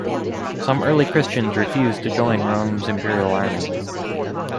Some early Christians refused to join Rome's Imperial army.